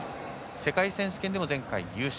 世界選手権でも前回優勝。